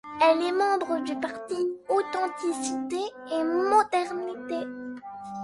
Elle est membre du Parti authenticité et modernité.